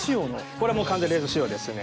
これはもう完全レース仕様ですね。